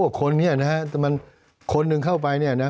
โอ้คนเนี่ยนะครับคนหนึ่งเข้าไปเนี่ยนะ